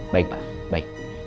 baik pak baik